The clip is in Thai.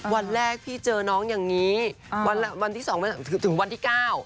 วันแรกพี่เจอน้องอย่างนี้วันที่สองถึงวันที่เก้า